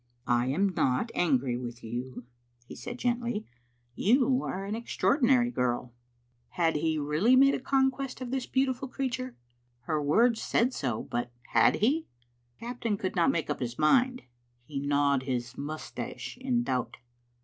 "I am not angry with you," he said, gently. "You are an extraordinary girl." 5 Digitized by VjOOQ IC ae xsbc xmie Ainfatet. Had he really made a conquest of this beautiful crea ture? Her words said so, but had he? The captain could not make up his mind. He gnawed his mous tache in doubt.